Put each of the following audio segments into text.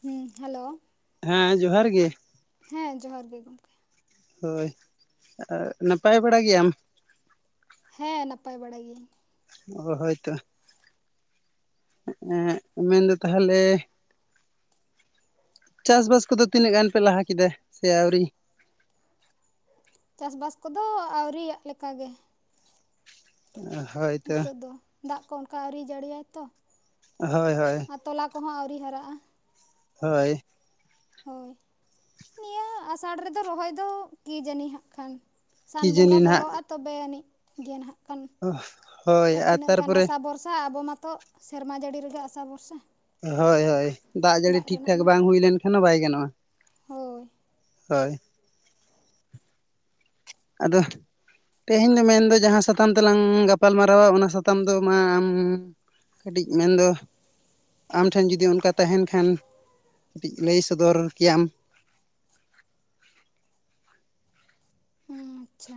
ᱦᱩᱸ ᱦᱮᱞᱳ ᱦᱮᱸ ᱡᱚᱦᱟᱨ ᱜᱮ ᱦᱮᱸ ᱡᱚᱦᱟᱨ ᱜᱮ ᱜᱚᱢᱠᱮ ᱦᱳᱭ ᱱᱟᱯᱟᱭ ᱵᱟᱲᱟ ᱜᱮᱭᱟᱢ? ᱦᱮᱸ ᱱᱟᱯᱟᱭ ᱵᱟᱲᱟ ᱜᱤᱭᱟᱹᱧ ᱾ ᱟᱫᱚ ᱦᱳᱭᱛᱚ ᱮᱸ ᱢᱮᱱᱫᱚ ᱛᱟᱦᱚᱞᱮ ᱪᱟᱥᱵᱟᱥ ᱠᱚᱫᱚ ᱛᱤᱱᱟᱹᱜ ᱜᱟᱱ ᱯᱮ ᱞᱟᱦᱟ ᱠᱮᱫᱟ ᱥᱮ ᱟᱹᱣᱨᱤ? ᱪᱟᱥᱵᱟᱥ ᱠᱚᱫᱚ ᱟᱹᱣᱨᱤᱭᱟᱜ ᱞᱮᱠᱟ ᱜᱮ ᱦᱳᱭᱛᱚ ᱱᱤᱛᱳᱜ ᱫᱚ ᱾ ᱫᱟᱜ ᱠᱚ ᱚᱱᱠᱟ ᱟᱹᱣᱨᱤ ᱡᱟᱹᱲᱤᱭᱟᱭ ᱛᱚ ᱾ ᱦᱳᱭ ᱦᱳᱭ ᱟᱨ ᱛᱚᱞᱟ ᱠᱚᱦᱚᱸ ᱟᱹᱣᱨᱤ ᱦᱟᱨᱟᱜᱼᱟ ᱾ ᱦᱳᱭ ᱦᱳᱭ ᱱᱤᱭᱟᱹ ᱟᱥᱟᱲ ᱨᱮᱫᱚ ᱨᱚᱦᱚᱭ ᱫᱚ ᱠᱤ ᱡᱟᱹᱱᱤᱡ ᱦᱟᱸᱜ ᱠᱷᱟᱱ ᱠᱤ ᱥᱟᱱ ᱵᱚᱸᱜᱟ ᱡᱟᱹᱱᱤ ᱱᱟᱦᱟᱜ ᱵᱚᱞᱚᱜᱼᱟ ᱛᱚᱵᱮ ᱟᱹᱱᱤᱡ ᱜᱮ ᱱᱟᱦᱟᱜ ᱠᱷᱟᱱ ᱾ [unintelligible] ᱟᱨ ᱛᱤᱱᱟᱹᱜ ᱜᱟᱱ ᱟᱥᱟ ᱵᱷᱚᱨᱥᱟ ᱟᱵᱚ ᱢᱟᱛᱚ ᱥᱮᱨᱢᱟ ᱡᱟᱹᱲᱤ ᱨᱮᱜᱮ ᱟᱥᱟ ᱵᱷᱚᱨᱥᱟ ᱾ ᱦᱳᱭ ᱦᱳᱭ ᱫᱟᱜ ᱡᱟᱹᱲᱤ ᱴᱷᱤᱠᱴᱷᱟᱠ ᱵᱟᱝ ᱦᱩᱭ ᱞᱮᱱᱠᱷᱟᱱ ᱦᱚᱸ ᱵᱟᱭ ᱜᱟᱱᱚᱜᱼᱟ ᱾ ᱦᱳᱭ ᱦᱳᱭ ᱟᱫᱚ ᱛᱮᱦᱮᱧ ᱫᱚ ᱢᱮᱱᱫᱚ ᱡᱟᱦᱟᱸ ᱥᱟᱛᱟᱢ ᱛᱮᱞᱟᱝ ᱜᱟᱯᱟᱞ ᱢᱟᱨᱟᱣᱟ ᱚᱱᱟ ᱥᱟᱛᱟᱢ ᱫᱚ ᱢᱟ ᱟᱢ ᱠᱟᱹᱴᱤᱡ ᱢᱮᱱᱫᱚ ᱟᱢᱴᱷᱮᱱ ᱡᱩᱫᱤ ᱚᱱᱠᱟ ᱛᱟᱦᱮᱱ ᱠᱷᱟᱱ ᱠᱟᱹᱴᱤᱡ ᱞᱟᱹᱭ ᱥᱚᱫᱚᱨ ᱠᱮᱭᱟᱢ? ᱦᱩᱸ ᱟᱪᱪᱷᱟ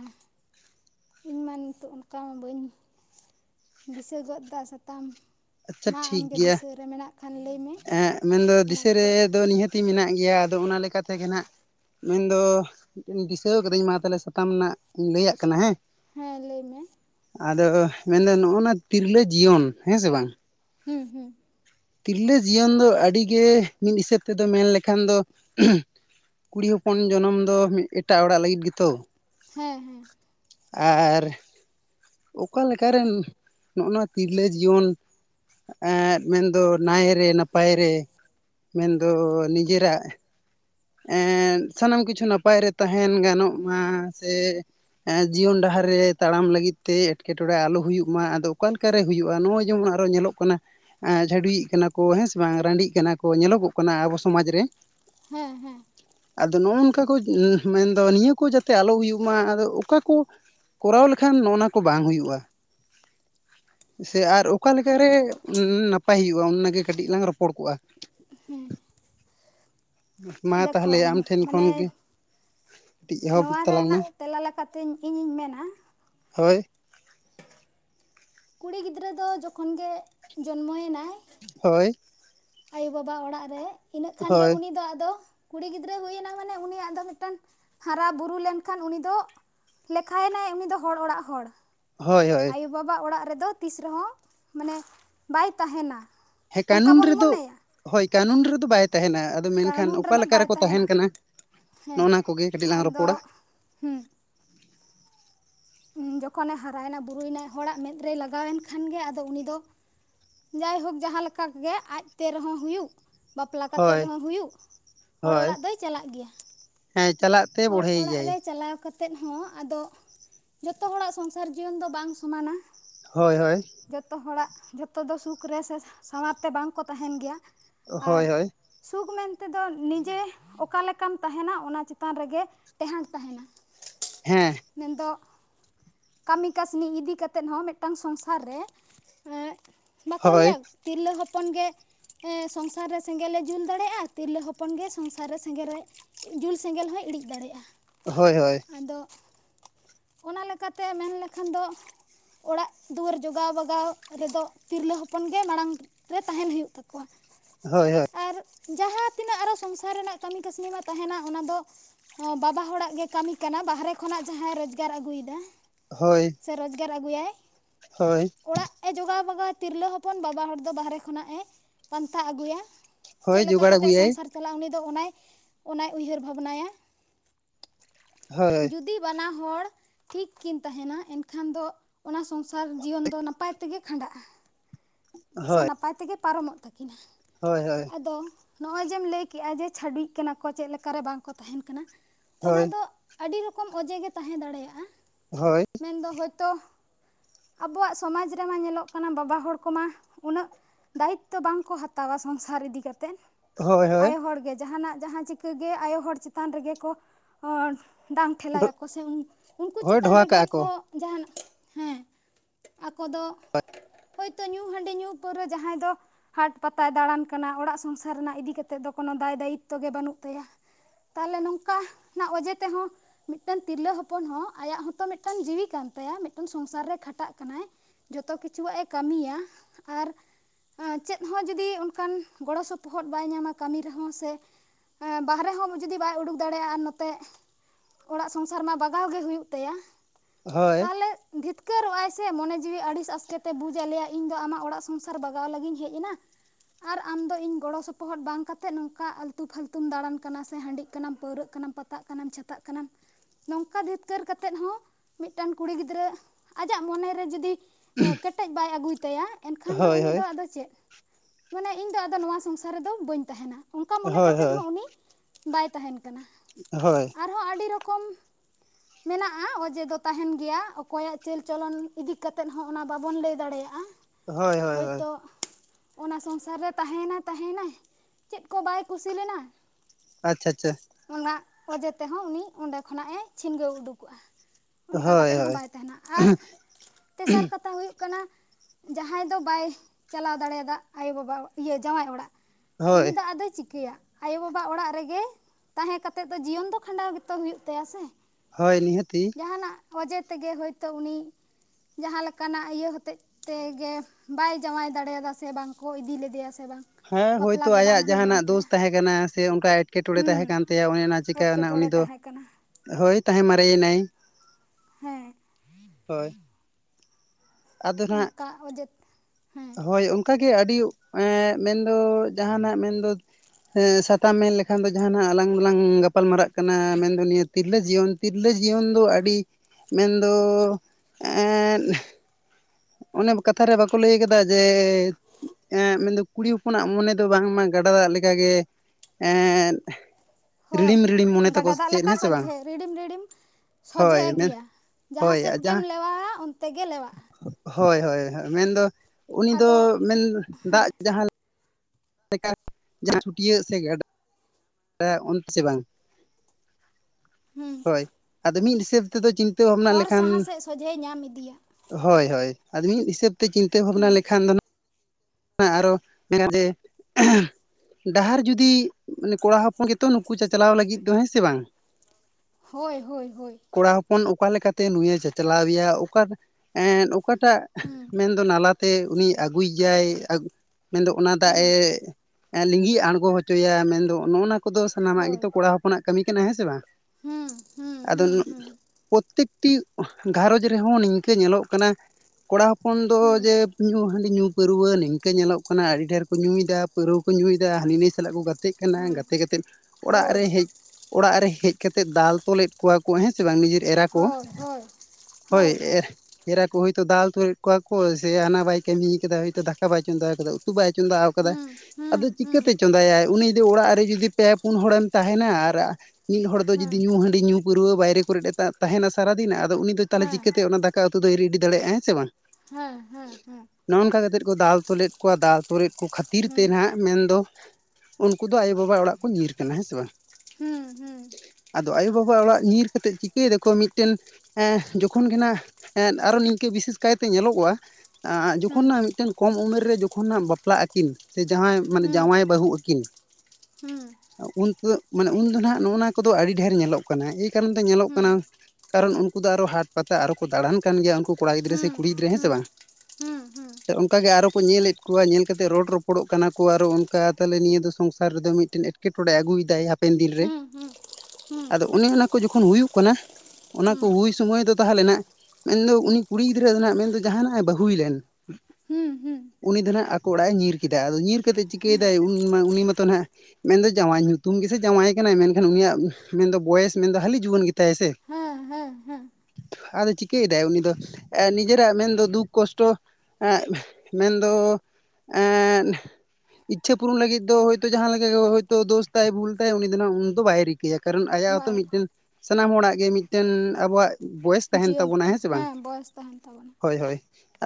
ᱤᱧ ᱢᱟ ᱱᱤᱛᱚᱜ ᱚᱱᱠᱟ ᱢᱟ ᱵᱟᱹᱧ ᱫᱤᱥᱟᱹ ᱜᱚᱫ ᱫᱟ ᱥᱟᱛᱟᱢ, ᱟᱪᱪᱷᱟ ᱢᱟ ᱴᱷᱤᱠ ᱟᱢᱜᱮ ᱜᱮᱭᱟ ᱫᱤᱥᱟᱹ ᱨᱮ ᱢᱮᱱᱟᱜ ᱠᱷᱟᱱ ᱞᱟᱹᱭ ᱢᱮ? ᱢᱮᱱᱫᱚ ᱚᱱᱟ ᱫᱤᱥᱟᱹ ᱠᱚ ᱨᱮᱫᱚ ᱱᱤᱦᱟᱹᱛᱤ ᱢᱮᱱᱟᱜ ᱜᱮᱭᱟ ᱟᱫᱚ ᱚᱱᱟ ᱞᱮᱠᱟ ᱛᱮᱜᱮ ᱦᱟᱸᱜ ᱢᱮᱱᱫᱚ ᱫᱤᱥᱟᱹ ᱟᱠᱟᱹᱫᱟᱹᱧ ᱢᱟ ᱛᱟᱦᱚᱞᱮ ᱥᱟᱛᱟᱢ ᱨᱮᱱᱟᱜ ᱤᱧ ᱞᱟᱹᱭᱟᱜ ᱠᱟᱱᱟ ᱦᱮᱸ ᱦᱮᱸ ᱞᱟᱹᱭ ᱢᱮ ᱟᱫᱚ ᱢᱮᱱᱫᱟ ᱱᱚᱜᱼᱱᱟ ᱛᱤᱨᱞᱟᱹ ᱡᱤᱭᱚᱱ ᱦᱮᱸ ᱥᱮ ᱵᱟᱝ? ᱦᱮᱸ ᱦᱮᱸ ᱛᱤᱨᱞᱟᱹ ᱡᱤᱭᱚᱱ ᱫᱚ ᱟᱹᱰᱤᱜᱮ ᱢᱤᱫ ᱦᱤᱥᱟᱹᱵ ᱛᱮᱫᱚ ᱢᱮᱱ ᱞᱮᱠᱷᱟᱱ ᱫᱚ ᱠᱩᱲᱤ ᱦᱚᱯᱚᱱ ᱡᱚᱱᱚᱢ ᱫᱚ ᱢᱤᱫ ᱮᱴᱟᱜ ᱚᱲᱟᱜ ᱞᱟᱹᱜᱤᱫ ᱜᱮᱛᱚ ᱦᱮᱸ ᱦᱮᱸ ᱟᱨ ᱚᱠᱟ ᱞᱮᱠᱟᱨᱮᱱ ᱱᱚᱜᱼ ᱱᱚᱣᱟ ᱛᱤᱨᱞᱟᱹ ᱡᱤᱭᱚᱱ ᱢᱮᱱᱫᱚ ᱱᱟᱭᱨᱮ ᱱᱟᱯᱟᱭ ᱨᱮ ᱢᱮᱱᱫᱚ ᱱᱤᱡᱮᱨᱟᱜ ᱥᱟᱱᱟᱢ ᱠᱤᱪᱷᱩ ᱱᱟᱯᱟᱭ ᱨᱮ ᱛᱟᱦᱮᱱ ᱜᱟᱱᱚᱜ ᱢᱟ ᱥᱮ ᱡᱤᱭᱚᱱ ᱰᱟᱦᱟᱨ ᱨᱮ ᱛᱟᱲᱟᱢ ᱞᱟᱹᱜᱤᱫ ᱛᱮ ᱮᱴᱠᱮᱴᱚᱬᱮ ᱟᱞᱚ ᱦᱩᱭᱩᱜ ᱢᱟ ᱾ ᱟᱫᱚ ᱚᱠᱟᱞᱮᱠᱟᱨᱮ ᱦᱩᱭᱩᱜᱼᱟ? ᱱᱚᱜᱼᱚᱭ ᱡᱮᱢᱚᱱ ᱢᱟ ᱟᱨᱚ ᱧᱮᱞᱚᱜ ᱠᱟᱱᱟ ᱡᱷᱟᱹᱰᱩᱭᱤᱜ ᱠᱟᱱᱟ ᱠᱚ ᱦᱮᱸ ᱥᱮ ᱵᱟᱝ ᱨᱟᱺᱰᱤᱜ ᱠᱟᱱᱟ ᱠᱚ ᱧᱮᱞᱚᱜᱚᱜ ᱠᱟᱱᱟ ᱟᱵᱚ ᱥᱚᱢᱟᱡᱽ ᱨᱮ ᱾ ᱦᱮᱸ ᱦᱮᱸ ᱟᱫᱚ ᱱᱚᱜᱼᱚᱝᱠᱟ ᱠᱚ ᱩᱦ ᱢᱮᱱ ᱫᱚ ᱱᱤᱭᱟᱹ ᱠᱚ ᱡᱟᱛᱮ ᱟᱞᱚ ᱦᱩᱭᱩᱜ ᱢᱟ ᱟᱫᱚ ᱚᱠᱟ ᱠᱚ ᱠᱚᱨᱟᱣ ᱞᱮᱠᱷᱟᱱ ᱱᱚᱜᱼᱱᱟ ᱠᱚ ᱵᱟᱝ ᱦᱩᱭᱩᱜᱼᱟ ᱥᱮ ᱟᱨ ᱚᱠᱟ ᱞᱮᱠᱟ ᱨᱮ ᱱᱟᱯᱟᱭ ᱦᱩᱭᱩᱜᱼᱟ ᱚᱱᱱᱟ ᱜᱮ ᱠᱟᱴᱤᱡ ᱞᱟᱝ ᱨᱚᱯᱚᱲ ᱠᱚᱜᱼᱟ ᱦᱮ ᱢᱟ ᱛᱟᱦᱚᱞᱮ ᱫᱮᱠᱚᱢ ᱟᱢ ᱴᱷᱮᱱ ᱢᱟᱱᱮ ᱠᱷᱚᱱ ᱜᱮ ᱠᱟᱹᱴᱤᱡ ᱮᱦᱚᱵ ᱱᱚᱣᱟ ᱛᱟᱞᱟᱝ ᱢᱮ ᱨᱮᱱᱟᱜ ᱛᱮᱞᱟ ᱞᱮᱠᱟᱛᱮᱧ ᱤᱧᱤᱧ ᱢᱮᱱᱟ ᱦᱳᱭ ᱠᱩᱲᱤ ᱜᱤᱫᱽᱨᱟᱹ ᱫᱚ ᱡᱚᱠᱷᱚᱱ ᱜᱮ ᱡᱚᱱᱢᱚ ᱭᱮᱱᱟᱭ ᱦᱳᱭ ᱟᱭᱳ ᱵᱟᱵᱟ ᱚᱲᱟᱜ ᱨᱮ ᱤᱱᱟᱹᱜ ᱠᱷᱟᱱᱜᱮ ᱦᱳᱭ ᱩᱱᱤ ᱫᱚ ᱟᱫᱚ ᱠᱩᱲᱤ ᱜᱤᱫᱽᱨᱟᱹ ᱦᱩᱭᱱᱟ ᱢᱟᱱᱮ ᱩᱱᱤᱭᱟᱜ ᱫᱚ ᱢᱤᱫ ᱴᱟᱱ ᱦᱟᱨᱟᱼᱵᱩᱨᱩ ᱞᱮᱱᱠᱷᱟᱱ ᱩᱱᱤ ᱫᱚ ᱞᱮᱠᱷᱟᱭᱮᱱᱟᱭ ᱩᱱᱤ ᱫᱚ ᱦᱚᱲ ᱚᱲᱟᱜ ᱦᱚᱲ ᱦᱳᱭ ᱦᱳᱭ ᱟᱭᱳᱼᱵᱟᱵᱟ ᱚᱲᱟᱜ ᱨᱮ ᱫᱚ ᱛᱤᱥ ᱨᱮᱦᱚ ᱢᱟᱱᱮ ᱵᱟᱭ ᱛᱟᱦᱮᱱᱟ ᱦᱮᱸ ᱚᱱᱠᱟ ᱠᱟᱱᱩᱱ ᱵᱚᱱ ᱨᱮ ᱫᱚ ᱢᱚᱱᱮᱭᱟ ᱦᱳᱭ ᱠᱟᱱᱩᱱ ᱨᱮ ᱫᱚ ᱵᱟᱭ ᱛᱟᱦᱮᱸᱱᱟ ᱟᱫᱚ ᱢᱮᱱᱠᱷᱟᱱ ᱠᱟᱹᱱᱦᱩᱱ ᱚᱠᱟ ᱨᱮᱫᱚ ᱞᱮᱠᱟ ᱨᱮ ᱵᱟᱭ ᱠᱚ ᱛᱟᱦᱮᱱ ᱛᱟᱦᱮᱱᱟ ᱠᱟᱱᱟ ᱦᱮᱸ ᱱᱚᱜᱼᱱᱟ ᱠᱚ ᱜᱮ ᱠᱟᱴᱤᱡ ᱞᱟᱝ ᱟᱫᱚ ᱨᱚᱯᱚᱲᱟ ᱦᱩᱸ ᱩ ᱡᱚᱠᱷᱚᱱᱮ ᱦᱟᱨᱟᱭᱮᱱᱟ ᱵᱩᱨᱩᱭᱱᱟᱭ ᱦᱚᱲᱟᱜ ᱢᱮᱫ ᱨᱮᱭ ᱞᱟᱜᱟᱣᱮᱱ ᱠᱷᱟᱱ ᱜᱮ ᱟᱫᱚ ᱩᱱᱤ ᱫᱚ ᱡᱟᱭᱦᱳᱠ ᱡᱟᱦᱟ ᱞᱮᱠᱟ ᱜᱮ ᱟᱡ ᱛᱮ ᱨᱮᱦᱚ ᱦᱩᱭᱩᱜ ᱵᱟᱯᱞᱟ ᱠᱟᱛᱮᱫ ᱦᱳᱭ ᱨᱮᱦᱚ ᱦᱩᱭᱩᱜ ᱦᱚᱲ ᱦᱳᱭ ᱚᱲᱟᱜ ᱫᱚᱭ ᱪᱟᱞᱟᱜ ᱜᱮᱭᱟ ᱦᱮᱸ ᱪᱟᱞᱟᱜ ᱛᱮ ᱦᱚᱲ ᱚᱲᱟᱜ ᱵᱚᱲᱦᱮᱭᱮᱭᱟᱭ ᱨᱮ ᱪᱟᱞᱟᱣ ᱠᱟᱛᱮᱫ ᱦᱚ ᱟᱫᱚᱼᱜ ᱡᱚᱛᱚ ᱦᱚᱲᱟᱜ ᱥᱚᱝᱥᱟᱨ ᱡᱤᱭᱚᱱ ᱫᱚ ᱵᱟᱝ ᱥᱚᱢᱟᱱᱟ ᱦᱳᱭ ᱦᱳᱭ ᱡᱚᱛᱚ ᱦᱚᱲᱟᱜ ᱡᱷᱚᱛᱚ ᱫᱚ ᱥᱩᱠ ᱨᱮ ᱥᱮ ᱥᱟᱶᱟᱨ ᱛᱮ ᱵᱟᱝ ᱠᱚ ᱛᱟᱦᱮᱱ ᱜᱮᱭᱟ ᱟᱨ ᱦᱳᱭ ᱦᱳᱭ ᱥᱩᱠ ᱢᱮᱱᱛᱮ ᱫᱚ ᱱᱤᱡᱮ ᱚᱠᱟ ᱞᱮᱠᱟᱢ ᱛᱟᱦᱮᱱᱟ ᱚᱱᱟ ᱪᱮ ᱪᱮᱛᱟᱱ ᱨᱮ ᱜᱮ ᱴᱮᱸᱦᱟᱱᱴ ᱛᱟᱦᱮᱱᱟ ᱦᱮ ᱢᱮᱱ ᱫᱚ ᱠᱟᱢᱤ ᱠᱟᱹᱥᱱᱤ ᱤᱫᱤ ᱠᱟᱛᱮᱫ ᱦᱚ ᱢᱤᱫᱴᱟᱝ ᱥᱚᱝᱥᱟᱨ ᱨᱮ ᱮᱼᱦ ᱵᱟᱠᱚ ᱦᱳᱭ ᱞᱟᱹᱭᱟ ᱛᱤᱨᱞᱟᱹ ᱦᱚᱯᱚᱱ ᱜᱮ ᱮ ᱥᱚᱝᱥᱟᱨ ᱨᱮ ᱥᱮᱸᱜᱮᱞ ᱞᱮ ᱡᱩᱞ ᱫᱟᱲᱮᱭᱟᱜᱼᱟ ᱛᱤᱨᱞᱟᱹ ᱦᱚᱯᱚᱱ ᱜᱮ ᱥᱚᱝᱥᱟᱨ ᱨᱮ ᱥᱮᱸᱜᱮᱞ ᱨᱮ ᱡᱩᱞ ᱥᱮᱸᱜᱮᱞ ᱦᱚᱭ ᱤᱲᱤᱡ ᱫᱟᱲᱮᱭᱟᱜᱼᱟ ᱦᱳᱭ ᱦᱳᱭ ᱟᱫᱚ ᱚᱱᱟ ᱞᱮᱠᱟ ᱛᱮ ᱢᱮᱱ ᱞᱮᱠᱷᱟᱱ ᱫᱚ ᱚᱲᱟᱜ ᱫᱩᱣᱟᱹᱨ ᱡᱚᱜᱟᱣ ᱵᱟᱜᱟᱣ ᱨᱮ ᱫᱚ ᱛᱤᱨᱞᱟᱹ ᱦᱚᱯᱚᱱ ᱜᱮ ᱢᱟᱲᱟᱝ ᱨᱮ ᱛᱟᱦᱮᱸᱱ ᱦᱩᱭᱩᱜ ᱛᱟᱠᱚᱣᱟ ᱦᱳᱭ ᱦᱳᱭ ᱟᱨ ᱡᱟᱦᱟ ᱛᱤᱱᱟᱹᱜ ᱟᱨᱚ ᱥᱚᱝᱥᱟᱨ ᱨᱮᱱᱟᱜ ᱠᱟᱹᱢᱤ ᱠᱟᱹᱥᱱᱤ ᱢᱟ ᱛᱟᱦᱮᱱᱟ ᱚᱱᱟ ᱫᱚ ᱚ ᱵᱟᱵᱟ ᱦᱚᱲᱟᱜ ᱜᱮ ᱠᱟᱹᱢᱤ ᱠᱟᱱᱟ ᱵᱟᱦᱨᱮ ᱠᱷᱚᱱᱟᱜ ᱡᱟᱦᱟᱭ ᱨᱳᱡᱽᱜᱟᱨ ᱟᱜᱩᱭᱮᱫᱟ ᱦᱳᱭ ᱥᱮ ᱨᱚᱡᱽᱜᱟᱨ ᱟᱜᱩᱭᱟᱭ ᱦᱳᱭ ᱚᱲᱟᱜᱼᱮ ᱡᱚᱜᱟᱣ ᱵᱟᱜᱟᱣ ᱟᱭ ᱛᱤᱨᱞᱟᱹ ᱦᱚᱯᱚᱱ ᱵᱟᱵᱟ ᱦᱚᱲ ᱫᱚ ᱵᱟᱦᱨᱮ ᱠᱷᱚᱱᱟᱜ ᱮ ᱯᱟᱱᱛᱟ ᱟᱜᱩᱭᱟ ᱦᱳᱭ ᱪᱮᱫ ᱞᱮᱠᱟ ᱡᱚᱜᱟᱲ ᱠᱟᱛᱮᱜ ᱟᱹᱜᱩᱭᱟᱭ ᱥᱚᱝᱥᱟᱨ ᱪᱟᱞᱟᱜᱼᱟ ᱩᱱᱤ ᱫᱚ ᱚᱱᱟᱭ ᱚᱱᱟᱭ ᱩᱭᱦᱟᱹᱨ ᱵᱷᱟᱵᱱᱟᱭᱟ ᱦᱳᱭ ᱛᱤ ᱵᱟᱱᱟ ᱦᱚᱲ ᱴᱷᱤᱠ ᱠᱤᱱ ᱛᱟᱦᱮᱱᱟ ᱮᱱᱠᱷᱟᱱ ᱫᱚ ᱚᱱᱟ ᱥᱚᱝᱥᱟᱨ ᱡᱤᱭᱚᱱ ᱫᱚ ᱱᱟᱯᱟᱭ ᱛᱮ ᱜᱮ ᱠᱷᱟᱸᱰᱟᱜᱼᱟ ᱥᱮ ᱦᱳᱭ ᱱᱟᱯᱟᱭ ᱛᱮ ᱜᱮ ᱯᱟᱨᱚᱢᱚᱜ ᱛᱟᱠᱤᱱᱟ ᱦᱳᱭ ᱦᱳᱭ ᱟᱫᱚ ᱱᱚᱜᱼᱚᱭ ᱡᱮᱢ ᱞᱟᱹᱭ ᱠᱮᱫᱮᱜᱼᱟ ᱡᱮ ᱪᱷᱟᱹᱰᱩᱭᱤᱜ ᱠᱟᱱᱟ ᱠᱚ ᱪᱮᱫᱞᱮᱠᱟᱨᱮ ᱵᱟᱝ ᱠᱚ ᱛᱟᱦᱮᱱ ᱠᱟᱱᱟ ᱚᱱᱟ ᱦᱳᱭ ᱫᱚ ᱟᱹᱰᱤ ᱨᱚᱠᱚᱢ ᱚᱡᱮ ᱜᱮ ᱛᱟᱦᱮᱸ ᱫᱟᱲᱮᱭᱟᱜ-ᱟ᱾ ᱦᱳᱭ ᱢᱮᱱᱫᱚ ᱦᱚᱭᱛᱚ ᱟᱵᱚᱣᱟᱜ ᱥᱚᱢᱟᱡᱽ ᱨᱮᱢᱟ ᱧᱮᱞᱚᱜ ᱠᱟᱱᱟ ᱵᱟᱵᱟ ᱦᱚᱲ ᱠᱚᱢᱟ ᱩᱱᱟᱹᱜ ᱫᱟᱭᱤᱛᱛᱚ ᱵᱟᱝᱠᱚ ᱦᱟᱛᱟᱣᱟ ᱥᱚᱝᱥᱟᱨ ᱤᱫᱤ ᱠᱟᱛᱮᱫ ᱦᱳᱭ ᱦᱳᱭ ᱟᱭᱳ ᱦᱚᱲᱜᱮ ᱡᱟᱦᱟᱱᱟᱜ ᱡᱟᱦᱟᱸ ᱪᱤᱠᱟᱹᱜ ᱜᱮ ᱟᱭᱳ ᱦᱚᱲ ᱪᱮᱛᱟᱱ ᱨᱮᱜᱮ ᱠᱚ ᱟᱸᱻ ᱰᱟᱝ ᱴᱷᱮᱞᱟᱭᱟᱠᱚ ᱥᱮ ᱩᱱᱠᱩ ᱦᱳᱭ ᱪᱮᱛᱟᱱ ᱰᱷᱚᱣᱟ ᱨᱮᱜᱮ ᱠᱟᱜᱼᱟ ᱠᱚ ᱡᱟᱦᱟᱱᱟᱜ ᱦᱮᱸ ᱟᱠᱚ ᱫᱚ ᱦᱚᱭᱛᱚ ᱧᱩ ᱦᱟᱺᱰᱤ ᱧᱩ ᱯᱟᱹᱣᱨᱟᱹ ᱡᱟᱦᱟᱸᱭ ᱫᱚ ᱦᱟᱴ ᱯᱟᱛᱟᱭ ᱫᱟᱬᱟᱱ ᱠᱟᱱᱟ ᱚᱲᱟᱜ ᱥᱚᱝᱥᱟᱨ ᱨᱮᱱᱟᱜ ᱤᱫᱤ ᱠᱟᱛᱮᱜ ᱫᱚ ᱠᱳᱱᱳ ᱫᱟᱭ ᱫᱟᱭᱤᱛᱛᱚ ᱜᱮ ᱵᱟᱹᱱᱩᱜ ᱛᱟᱭᱟ ᱛᱟᱦᱚᱞᱮ ᱱᱚᱝᱠᱟᱱᱟᱜ ᱚᱡᱮ ᱛᱮᱦᱚᱸ ᱢᱤᱫᱴᱟᱱ ᱛᱤᱨᱞᱟᱹ ᱦᱚᱯᱚᱱ ᱦᱚᱸ ᱟᱭᱟᱜ ᱦᱚᱸᱛᱚ ᱢᱤᱫᱴᱟᱱ ᱡᱤᱣᱤ ᱠᱟᱱ ᱛᱟᱭᱟ ᱢᱤᱫᱴᱟᱱ ᱥᱚᱝᱥᱟᱨ ᱨᱮ ᱠᱷᱟᱴᱟᱜ ᱠᱟᱱᱟᱭ ᱡᱚᱛᱚ ᱠᱤᱪᱷᱩᱣᱟᱜ ᱮ ᱠᱟᱹᱢᱤᱭᱟ ᱟᱨ ᱮᱸᱻ ᱪᱮᱫ ᱦᱚᱸ ᱡᱩᱫᱤ ᱚᱱᱠᱟᱱ ᱜᱚᱲᱚ ᱥᱚᱯᱚᱦᱚᱫ ᱵᱟᱭ ᱧᱟᱢᱟ ᱠᱟᱹᱢᱤ ᱨᱮᱦᱚᱸ ᱥᱮ ᱮᱸᱻ ᱵᱟᱦᱮᱨᱮ ᱦᱚᱸ ᱡᱩᱫᱤ ᱵᱟᱭ ᱩᱰᱩᱠ ᱫᱟᱲᱮᱭᱟᱜᱼᱟ ᱟᱨ ᱱᱚᱛᱮ ᱚᱲᱟᱜ ᱥᱚᱝᱥᱟᱨ ᱢᱟ ᱵᱟᱜᱟᱣ ᱜᱮ ᱦᱩᱭᱩᱜ ᱛᱟᱭᱟ ᱦᱳᱭ ᱛᱟᱞᱚᱦᱮ ᱫᱷᱤᱛᱠᱟᱹᱨᱚᱜᱼᱟᱭ ᱥᱮ ᱢᱚᱱᱮ ᱡᱤᱣᱤ ᱟᱹᱰᱤ ᱟᱥᱠᱮᱛᱮ ᱵᱩᱡ ᱞᱟᱹᱭᱟᱭ ᱤᱧ ᱫᱚ ᱟᱢᱟᱜ ᱚᱲᱟᱜ ᱥᱚᱝᱥᱟᱨ ᱵᱟᱜᱟᱣ ᱞᱟᱹᱜᱤᱧ ᱦᱮᱡ ᱮᱱᱟ ᱟᱨ ᱟᱢᱫᱚ ᱤᱧ ᱜᱚᱲᱚ ᱥᱚᱯᱚᱦᱚᱫ ᱵᱟᱝ ᱠᱟᱛᱮ ᱱᱚᱝᱠᱟ ᱟᱞᱛᱩ ᱯᱷᱟᱞᱛᱩᱢ ᱫᱟᱬᱟᱱ ᱠᱟᱱᱟ ᱥᱮ ᱦᱟᱺᱰᱤᱜ ᱠᱟᱱᱟᱢ ᱯᱟᱹᱣᱨᱟᱹᱜ ᱠᱟᱱᱟᱢ ᱯᱟᱼᱼ ᱛᱟᱜ ᱠᱟᱱᱟᱢ ᱪᱷᱟᱛᱟᱜ ᱠᱟᱱᱟᱢ ᱱᱚᱝᱠᱟ ᱫᱷᱤᱛᱠᱟᱹᱨ ᱠᱟᱛᱮᱫ ᱦᱚᱸ ᱢᱤᱫᱴᱟᱹᱝ ᱠᱩᱲᱤ ᱜᱤᱫᱽᱨᱟᱹ ᱟᱡᱟᱜ ᱢᱚᱱᱮ ᱨᱮ ᱡᱩᱫᱤ ᱮᱻ ᱠᱮᱴᱮᱡ ᱵᱟᱭ ᱟᱹᱜᱩᱭ ᱛᱟᱭᱟ ᱮᱱᱠᱷᱟᱱ ᱫᱚ ᱦᱳᱭ ᱩᱱᱤ ᱦᱳᱭ ᱫᱚ ᱟᱫᱚ ᱥᱮ ᱪᱮᱫ ᱢᱟᱱᱮ ᱤᱧ ᱫᱚ ᱟᱫᱚ ᱱᱚᱣᱟ ᱥᱚᱝᱥᱟᱨ ᱨᱮᱫᱚ ᱵᱟᱹᱧ ᱛᱟᱦᱮᱱᱟ ᱚᱱᱠᱟ ᱢᱚᱱᱮ ᱦᱳᱭ ᱠᱟᱛᱮ ᱦᱳᱭ ᱦᱚᱸ ᱩᱱᱤ ᱵᱟᱭ ᱛᱟᱦᱮᱱ ᱠᱟᱱᱟ ᱦᱳᱭ ᱟᱨᱦᱚᱸ ᱟᱹᱰᱤ ᱨᱚᱠᱚᱢ ᱢᱮᱱᱟᱜᱼᱟ ᱚᱡᱮ ᱫᱚ ᱛᱟᱦᱮᱱ ᱜᱮᱭᱟ ᱚᱠᱚᱭᱟᱜ ᱪᱮᱞ ᱪᱚᱞᱚᱱ ᱤᱫᱤ ᱠᱟᱛᱮᱫ ᱦᱚᱸ ᱚᱱᱟ ᱵᱟᱵᱚᱱ ᱞᱟᱹᱭ ᱫᱟᱲᱮᱭᱟᱜᱼᱟ ᱦᱳᱭ ᱦᱳᱭ ᱦᱳᱭ ᱦᱳᱭᱛᱳ ᱚᱱᱟ ᱥᱚᱝᱥᱟᱨ ᱨᱮ ᱛᱟᱦᱮᱱᱟᱭ ᱛᱟᱦᱮᱱᱟᱭ ᱪᱮᱫ ᱠᱚ ᱵᱟᱭ ᱠᱩᱥᱤ ᱞᱮᱱᱟ ᱟᱪᱪᱷᱟ ᱟᱪᱪᱷᱟ ᱚᱱᱟ ᱚᱡᱮ ᱛᱮᱦᱚᱸ ᱩᱱᱤ ᱚᱸᱰᱮ ᱠᱷᱚᱱᱟᱜᱼ ᱮ ᱪᱷᱤᱱᱜᱟᱹᱣ ᱩᱰᱩᱠᱚᱜᱼᱟ ᱚᱱᱠᱟ ᱦᱳᱭ ᱠᱟᱛᱮᱫ ᱦᱚᱸ ᱦᱳᱭ ᱵᱟᱭ ᱛᱟᱦᱮᱱᱟ ᱟᱨ ᱛᱮᱥᱟᱨ ᱠᱟᱛᱷᱟ ᱦᱩᱭᱩᱜ ᱠᱟᱱᱟ ᱡᱟᱦᱟᱸᱭ ᱫᱚ ᱵᱟᱭ ᱪᱟᱞᱟᱣ ᱫᱟᱲᱮᱭᱟᱫᱟᱜ ᱟᱭᱳᱼᱵᱟᱵᱟ ᱤᱭᱟᱹ ᱡᱟᱶᱟᱭ ᱚᱲᱟᱜ ᱦᱳᱭ ᱩᱱᱤ ᱫᱚ ᱟᱫᱚᱭ ᱪᱤᱠᱟᱹᱭᱟ ᱟᱭᱳᱼᱵᱟᱵᱟ ᱚᱲᱟᱜ ᱨᱮᱜᱮ ᱛᱟᱦᱮᱸ ᱠᱟᱛᱮᱫ ᱫᱚ ᱡᱤᱭᱚᱱ ᱫᱚ ᱠᱷᱟᱸᱰᱟᱣ ᱜᱮᱛᱚ ᱦᱩᱭᱩᱜ ᱛᱟᱭᱟ ᱥᱮ ᱦᱳᱭ ᱱᱤᱦᱟᱹᱛᱤ ᱡᱟᱦᱟᱱᱟᱜ ᱚᱡᱮ ᱛᱮᱜᱮ ᱦᱳᱭᱛᱳ ᱩᱱᱤ ᱡᱟᱦᱟᱸ ᱞᱮᱠᱟᱱᱟᱜ ᱤᱭᱟᱹ ᱦᱚᱛᱮᱫ ᱛᱮᱜᱮ ᱵᱟᱭ ᱡᱟᱶᱟᱭ ᱫᱟᱲᱮᱭᱟᱫᱟ ᱥᱮ ᱵᱟᱝ ᱠᱚ ᱤᱫᱤ ᱞᱮᱫᱮᱭᱟ ᱥᱮ ᱵᱟᱝ ᱦᱮᱸ ᱵᱟᱯᱞᱟ ᱦᱳᱭᱛᱳ ᱜᱮ ᱵᱟᱝ ᱟᱭᱟᱜ ᱦᱩᱭ ᱞᱮᱱ ᱡᱟᱦᱱᱟᱜ ᱫᱳᱥ ᱛᱟᱭᱟ ᱛᱟᱦᱮᱸ ᱠᱟᱱᱟ ᱥᱮ ᱚᱱᱠᱟ ᱮᱴᱠᱮᱴᱚᱬᱮ ᱦᱩᱸ ᱛᱟᱦᱮᱸ ᱠᱟᱱ ᱛᱟᱭᱟ ᱚᱱᱮ ᱚᱱᱟ ᱪᱤᱠᱟᱱᱟ ᱩᱱᱤ ᱮᱴᱠᱮᱴᱚᱬᱮ ᱫᱚ ᱛᱟᱦᱮᱸ ᱠᱟᱱᱟ ᱦᱳᱭ ᱛᱟᱦᱮᱸ ᱢᱟᱨᱮ ᱮᱱᱟᱭ ᱦᱮᱸ ᱦᱳᱭ ᱟᱫᱚ ᱱᱷᱟᱜ ᱚᱱᱠᱟ ᱚᱡᱮ ᱦᱮᱸ ᱦᱳᱭ ᱚᱱᱠᱟᱜᱮ ᱟᱹᱰᱤ ᱢᱮᱱᱫᱚ ᱡᱟᱦᱟᱱᱟᱜ ᱢᱮᱱᱫᱚ ᱦᱮᱸ ᱥᱟᱛᱟᱢ ᱢᱮᱱ ᱞᱮᱠᱷᱟᱱ ᱫᱚ ᱡᱟᱦᱟᱱᱟᱜ ᱟᱞᱟᱝ ᱫᱚᱞᱟᱝ ᱜᱟᱯᱟᱞ ᱢᱟᱨᱟᱜ ᱠᱟᱱᱟ ᱢᱮᱱᱫᱚ ᱱᱤᱭᱟᱹ ᱛᱤᱨᱞᱟᱹ ᱡᱤᱭᱚᱱ ᱛᱤᱨᱞᱟᱹ ᱡᱤᱭᱚᱱ ᱫᱚ ᱟᱹᱰᱤ ᱢᱮᱱᱫᱚ ᱮᱱᱻ ᱚᱱᱮ ᱠᱟᱛᱷᱟ ᱨᱮ ᱵᱟᱠᱚ ᱞᱟᱹᱭ ᱟᱠᱟᱫᱟ ᱡᱮ ᱮᱸᱻ ᱢᱮᱱᱫᱚ ᱠᱩᱲᱤ ᱦᱚᱯᱚᱱᱟᱜ ᱢᱚᱱᱮ ᱫᱚ ᱵᱟᱝᱢᱟ ᱜᱟᱰᱟ ᱫᱟᱜ ᱞᱮᱠᱟᱜᱮ ᱮᱱᱻ ᱦᱳᱭ ᱜᱟᱰᱟ ᱫᱟᱜ ᱞᱮᱠᱟ ᱥᱮ ᱵᱟᱝ ᱥᱚᱡᱷᱮ ᱨᱤᱲᱤᱢ ᱨᱤᱲᱤᱢ ᱥᱚᱡᱷᱮ ᱦᱳᱭ ᱜᱮᱭᱟ ᱡᱟᱦᱟᱸ ᱥᱮᱫ ᱜᱮᱢ ᱞᱮᱣᱟᱣᱟ ᱚᱱᱛᱮ ᱜᱮ ᱞᱮᱣᱟᱜᱼᱟ ᱦᱳᱭ ᱦᱳᱭ, ᱢᱮᱱ ᱫᱚ ᱩᱱᱤ ᱫᱚ ᱟᱫᱚ ᱢᱮᱱ ᱫᱟᱜ ᱦᱮᱸ ᱡᱟᱦᱟᱸ ᱞᱮᱼᱼ ᱞᱮᱠᱟ ᱡᱟᱦᱟᱸ ᱥᱮ [unintelligible] ᱜᱟᱰᱟ ᱚᱱᱛᱮ ᱥᱮ ᱵᱟᱝ ᱦᱩᱸ [inaudible] ᱦᱳᱭ, ᱟᱫᱚ ᱢᱤᱫ ᱦᱤᱥᱟᱹᱵᱽ ᱛᱮᱫᱚ ᱪᱤᱱᱛᱟᱹ ᱵᱷᱟᱵᱽᱱᱟᱜ ᱦᱚᱨ ᱞᱮᱠᱷᱟᱱ ᱥᱟᱦᱟ ᱥᱮᱫ ᱥᱚᱡᱷᱮᱭ ᱧᱟᱢ ᱤᱫᱤᱭᱟ ᱦᱳᱭ ᱦᱳᱭ, ᱟᱹᱞᱤᱧ ᱤᱡ ᱦᱤᱥᱟᱹᱵ ᱛᱮ ᱪᱤᱱᱛᱟᱹ ᱵᱷᱟᱵᱱᱟ ᱦᱩᱸ ᱞᱮᱠᱷᱟᱱ ᱫᱚ ᱟᱨᱦᱚᱸ ᱢᱮᱱᱟ ᱡᱮ ᱮᱸᱦᱮ ᱰᱟᱦᱟᱨ ᱡᱩᱫᱤ ᱩᱱᱤ ᱠᱚᱲᱟ ᱦᱚᱯᱚᱱ ᱜᱮᱛᱚ ᱱᱩᱠᱩ ᱪᱟᱪᱞᱟᱣ ᱞᱟᱹᱜᱤᱫ ᱫᱚ ᱦᱮᱸ ᱥᱮ ᱵᱟᱝ? ᱦᱳᱭ, ᱦᱳᱭ, ᱦᱳᱭ, ᱠᱚᱲᱟ ᱦᱚᱯᱚᱱ ᱚᱠᱟ ᱞᱮᱠᱟᱛᱮ ᱱᱩᱭᱮ ᱪᱟᱪᱞᱟᱣ ᱮᱭᱟᱹ ᱚᱠᱟ ᱮᱫ ᱚᱠᱟᱴᱟᱜ ᱦᱩᱸ ᱢᱮᱱ ᱫᱚ ᱱᱟᱞᱟ ᱛᱮ ᱩᱱᱤ ᱟᱹᱜᱩᱭ ᱮᱭᱟᱭ ᱢᱮᱱᱫᱚ ᱚᱱᱟ ᱫᱟᱜ ᱦᱩᱸ ᱮ ᱞᱤᱸᱜᱤ ᱟᱬᱜᱚ ᱦᱚᱪᱚᱭᱟ ᱢᱮᱱᱫᱚ ᱚᱜᱚ ᱱᱚᱣᱟ ᱠᱚ ᱫᱚ ᱥᱟᱱᱟᱢᱟᱜ ᱦᱳᱭ ᱜᱮᱛᱚ ᱠᱚᱲᱟ ᱦᱚᱯᱚᱱᱟᱜ ᱠᱟᱹᱢᱤ ᱠᱟᱱᱟ ᱦᱮᱸ ᱥᱮ ᱵᱟᱝ ᱦᱩᱸ ᱦᱩᱸ ᱟᱫᱚ ᱦᱩᱸ ᱦᱩᱸ ᱯᱳᱫ ᱯᱳᱛᱮᱠᱴᱤ ᱜᱷᱟᱨᱚᱸᱡᱽ ᱨᱮᱦᱚᱸ ᱱᱤᱝᱠᱟᱹ ᱧᱮᱞᱚᱜ ᱠᱟᱱᱟ ᱠᱚᱲᱟ ᱦᱚᱯᱚᱱ ᱫᱚ ᱡᱮ ᱧᱩ ᱦᱟᱺᱰᱤ ᱧᱩ ᱯᱟᱹᱣᱨᱟᱹ, ᱱᱤᱝᱠᱟᱹ ᱧᱮᱞᱚᱜ ᱠᱟᱱᱟ ᱟᱹᱰᱤ ᱰᱷᱮᱨ ᱠᱚ ᱧᱩᱭ-ᱫᱟ ᱯᱟᱹᱣᱨᱟᱹ ᱠᱚ ᱧᱩᱭ ᱫᱟ ᱦᱟᱹᱱᱤ ᱱᱟᱹᱭ ᱥᱟᱞᱟᱜ ᱠᱚ ᱜᱟᱛᱮ ᱜᱟᱛᱮᱜ ᱠᱟᱱᱟ ᱜᱟᱛᱮ ᱠᱟᱛᱮ ᱚᱲᱟᱜ ᱨᱮ ᱦᱮᱡ ᱚᱲᱟᱜ ᱨᱮ ᱦᱮᱡ ᱠᱟᱛᱮ ᱫᱟᱞ ᱛᱚᱞᱮᱫ ᱠᱚᱣᱟ ᱠᱚ ᱦᱮᱸ ᱥᱮ ᱵᱟᱝ, ᱱᱤᱡᱮᱨᱮᱱ ᱮᱨᱟ ᱠᱚ ᱦᱳᱭ, ᱮᱦ ᱮᱨᱟ ᱠᱚ ᱦᱚᱭᱛᱚ ᱫᱟᱞ ᱛᱚᱞᱮᱫ ᱠᱚᱣᱟ ᱠᱚ ᱥᱮ ᱦᱟᱱᱟ ᱵᱟᱭ ᱠᱟᱹᱢᱤ ᱠᱟᱫᱟ ᱦᱚᱭᱛᱚ ᱫᱟᱠᱟ ᱵᱟᱭ ᱪᱚᱸᱫᱟ ᱟᱠᱟᱫᱟ ᱩᱛᱩ ᱵᱟᱭ ᱪᱚᱸᱫᱟ ᱣ ᱟᱠᱟᱫᱟ᱾ ᱟᱫᱚ ᱪᱤᱠᱟᱹᱛᱮ ᱪᱚᱸᱫᱟᱭᱟᱭ ᱩᱱᱤ ᱚᱲᱟᱜ ᱨᱮ ᱡᱚᱫᱤ ᱯᱮ ᱯᱩᱱ ᱦᱚᱲᱮᱢ ᱛᱟᱦᱮᱱᱟ ᱟᱨ ᱢᱤᱫ ᱦᱚᱲ ᱫᱚ ᱡᱚᱫᱤ ᱧᱩ ᱦᱟᱺᱰᱤ, ᱧᱩ ᱯᱟᱹᱣᱟᱹ ᱵᱟᱦᱨᱮ ᱠᱚᱨᱮ ᱴᱮᱛᱟᱛ ᱛᱟᱦᱮᱸᱱᱟ ᱥᱟᱨᱟᱫᱤᱱ ᱟᱫᱚ ᱩᱱᱤ ᱫᱚ ᱛᱟᱦᱚᱞᱮ ᱪᱤᱠᱟᱹᱛᱮ ᱚᱱᱟ ᱫᱟᱠᱟ ᱠᱟ ᱩᱛᱩ ᱫᱚ ᱨᱮᱰᱤ ᱫᱟᱲᱮᱭᱟᱜᱼᱟ ᱦᱮᱸ ᱥᱮ ᱵᱟᱝ᱾ ᱦᱩᱸ ᱦᱩᱸ ᱦᱩᱸ ᱱᱚᱜᱼ ᱱᱚᱝᱠᱟ ᱠᱟᱛᱮᱨ ᱠᱚ ᱫᱟᱞ ᱛᱚᱞᱮᱫ ᱠᱚᱣᱟ ᱫᱟᱞ ᱛᱚᱞᱮᱫ ᱠᱚ ᱠᱷᱟᱹᱛᱤᱨ ᱛᱮ ᱦᱟᱜ ᱢᱮᱱ ᱫᱚ ᱩᱱᱠᱩ ᱫᱚ ᱟᱭᱳ ᱵᱟᱵᱟ ᱚᱲᱟᱜ ᱠᱚ ᱧᱤᱨ ᱠᱟᱱᱟ ᱦᱮᱸ ᱥᱮ ᱵᱟᱝ᱾ ᱦᱩᱸ ᱦᱩᱸ ᱟᱫᱚ ᱟᱭᱳ ᱵᱟᱵᱟ ᱚᱲᱟᱜ ᱧᱤᱨ ᱠᱟᱛᱮᱫ ᱪᱤᱠᱟᱹᱭ ᱫᱟᱠᱚ ᱢᱤᱫᱴᱮᱱ ᱮᱸ ᱡᱚᱠᱷᱚᱱ ᱜᱮ ᱱᱟᱦᱟᱸᱜ ᱱᱮᱛ ᱟᱨᱦᱚᱸ ᱱᱤᱝᱠᱟᱹ ᱵᱤᱥᱮᱥ ᱠᱟᱭᱛᱮ ᱧᱮᱞᱚᱜᱚᱜᱼᱟ ᱡᱚᱠᱷᱚᱱ ᱦ ᱢᱤᱫᱴᱟᱝ ᱠᱚᱢ ᱩᱢᱮᱨ ᱨᱮ ᱡᱚᱠᱷᱚᱱᱟᱜ ᱵᱟᱯᱞᱟᱜ ᱟᱹᱠᱤᱱ ᱥᱮ ᱡᱟᱦᱟᱸᱭ ᱢᱟᱱᱮ ᱡᱟᱶᱟᱭ ᱵᱟᱹᱦᱩ ᱟᱹᱠᱤᱱ᱾ ᱦᱩᱸ ᱩᱱ ᱛᱟᱹᱜ ᱩᱱᱫᱚ ᱱᱟᱦᱟᱸᱜ ᱱᱚᱜᱼᱚ ᱱᱚᱣᱟ ᱠᱚᱫᱚ ᱟᱹᱰᱤ ᱰᱷᱮᱹᱨ ᱧᱮᱞᱚᱜ ᱠᱟᱱᱟ ᱮᱭ ᱠᱟᱨᱚᱱ ᱛᱮ ᱧᱮᱞᱚᱜ ᱠᱟᱱᱟ ᱠᱟᱨᱚᱱ ᱩᱱᱠᱩ ᱫᱚ ᱟᱨᱦᱚᱸ ᱦᱟᱴ ᱯᱟᱛᱟ ᱟᱨᱦᱚᱸᱠᱚ ᱫᱟᱬᱟᱱ ᱠᱟᱱ ᱜᱮᱭᱟ ᱩᱱᱠᱩ ᱠᱚᱲᱟ ᱜᱤᱫᱽᱨᱟᱹ ᱥᱮ ᱠᱩᱲᱤ ᱜᱤᱫᱽᱨᱟᱹ ᱦᱮᱸ ᱥᱮ ᱵᱟᱝ ᱚᱱᱠᱟᱜᱮ ᱟᱨᱦᱚᱸ ᱠᱚ ᱧᱮᱞᱮᱫ ᱠᱚᱣᱟ ᱧᱮᱞ ᱠᱟᱛᱮ ᱨᱚᱲ ᱨᱚᱯᱚᱲᱚᱜ ᱠᱟᱱᱟ ᱠᱚ ᱟᱨᱦᱚᱸ ᱚᱱᱠᱟ ᱛᱟᱦᱚᱞᱮ ᱱᱤᱭᱟᱹ ᱫᱚ ᱥᱚᱝᱥᱟᱨ ᱨᱮᱫᱚ ᱢᱤᱫᱴᱮᱱ ᱮᱴᱠᱮᱴᱚᱬᱮ ᱮᱴᱠᱮᱴᱚᱬᱮ ᱟᱹᱜᱩᱭ ᱮᱫᱟᱭ ᱦᱟᱯᱮᱱ ᱫᱤᱱ ᱨᱮ ᱟᱫᱚ ᱚᱱᱮ ᱚᱱᱟ ᱠᱚ ᱡᱚᱠᱷᱚᱱ ᱦᱩᱭᱩᱜ ᱠᱟᱱᱟ, ᱚᱱᱟ ᱠᱚ ᱦᱩᱸ ᱦᱩᱭ ᱥᱚᱢᱚᱭ ᱫᱚ ᱛᱟᱦᱮᱸ ᱞᱮᱱᱟ ᱢᱮᱱ ᱫᱚ ᱩᱱᱤ ᱠᱩᱲᱤ ᱜᱤᱫᱽᱨᱟᱹ ᱨᱮᱱᱟᱜ ᱢᱮᱱ ᱫᱚ ᱡᱟᱦᱟᱱᱟᱜᱼ ᱮ ᱵᱟᱹ ᱦᱩᱭ ᱞᱮᱱ ᱦᱩᱸ ᱩᱱᱤ ᱫᱚ ᱱᱟᱦᱟᱸᱜ ᱟᱠᱚ ᱚᱲᱟᱜ ᱮ ᱧᱤᱨ ᱠᱮᱫᱟ ᱟᱫᱚ ᱧᱤᱨ ᱠᱟᱛᱮᱫ ᱪᱤᱠᱟᱹᱭ ᱫᱟᱭ ᱩᱱ ᱢᱟ ᱩᱱᱤ ᱢᱟᱛᱚ ᱱᱟᱜ ᱢᱮᱱ ᱫᱚ ᱡᱟᱸᱶᱟᱭ ᱧᱩᱛᱩᱢ ᱜᱮ ᱥᱮ ᱡᱟᱸᱶᱟᱭ ᱠᱟᱱᱟᱭ ᱢᱮᱱᱠᱷᱟᱱ ᱩᱱᱤᱭᱟᱜ ᱢᱮᱱ ᱫᱚ ᱵᱚᱭᱮᱥ ᱢᱮᱱ ᱫᱚ ᱦᱟᱹᱞᱤ ᱡᱩᱣᱟᱹᱱ ᱜᱮᱛᱟᱭ ᱥᱮ᱾ ᱦᱩᱸ ᱦᱩᱸ ᱟᱫᱚ ᱪᱤᱠᱟᱹᱭ ᱮᱫᱟᱭ ᱩᱱᱤ ᱫᱚ ᱱᱤᱡᱮᱨᱟᱜ ᱢᱮᱱ ᱫᱚ ᱫᱩᱠ ᱠᱚᱥᱴᱚ ᱮᱸᱻᱯ ᱢᱮᱱᱫᱚ ᱮᱸᱻᱫ ᱤᱪᱪᱷᱟᱹ ᱯᱩᱨᱩᱱ ᱞᱟᱹᱜᱤᱫ ᱫᱚ ᱦᱚᱭᱛᱚ ᱡᱟᱦᱟᱸ ᱞᱮᱠᱟ ᱦᱚᱭᱛᱚ ᱫᱳᱥ ᱛᱟᱭ ᱵᱷᱩᱞ ᱛᱟᱭ ᱩᱱᱤ ᱫᱚ ᱱᱟᱜ ᱩᱱ ᱫᱚ ᱵᱟᱭ ᱨᱤᱠ ᱜᱮᱭᱟ ᱠᱟᱨᱚᱱ ᱟᱭᱟᱜ ᱦᱚᱛᱚ ᱢᱤᱫᱴᱮᱱ ᱥᱟᱱᱟᱢ ᱦᱚᱲᱟᱜ ᱜᱮ ᱢᱤᱫᱴᱮᱱ ᱟᱵᱚᱣᱟᱜ ᱵᱚᱭᱮᱥ ᱛᱟᱦᱮᱱ ᱦᱩᱸ ᱛᱟᱵᱚᱱᱟ ᱦᱮᱸ ᱥᱮ ᱦᱩᱸ ᱦᱩᱸ ᱵᱟᱭ ᱡᱤᱭᱚᱱ ᱵᱟᱝ᱾ ᱵᱚᱭᱮᱥ ᱛᱟᱦᱮᱱ ᱛᱟᱵᱚᱱᱟ ᱦᱳᱭ ᱦᱳᱭ,